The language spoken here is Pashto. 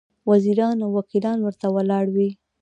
وزیران او وکیلان ورته ولاړ وي.